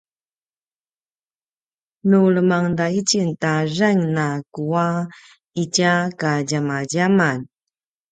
nu lemangda itjen ta zaing na kuwa itja kadjamadjaman